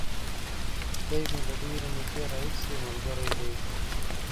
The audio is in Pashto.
دی مې له ډېرې مودې راهیسې ملګری دی.